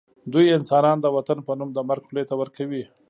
دوی انسانان د وطن په نوم د مرګ خولې ته ورکوي